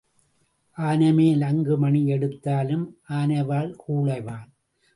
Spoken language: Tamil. ஆனைமேல் அங்கு மணி எடுத்தாலும் ஆனை வால் கூழை வால்.